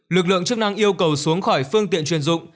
lực lượng chức năng yêu cầu xuống khỏi phương tiện chuyên dụng